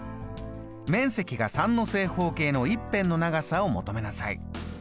面積が３の正方形の１辺の長さを求めなさい。